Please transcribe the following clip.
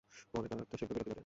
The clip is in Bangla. পরে তাঁত শিল্পের বিলুপ্তি ঘটে।